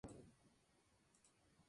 Aquel mismo día se hicieron a la mar.